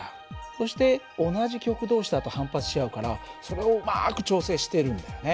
そして同じ極同士だと反発し合うからそれをうまく調整しているんだよね。